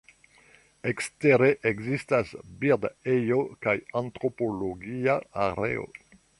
Ekstere ekzistas bird-ejo kaj antropologia areo.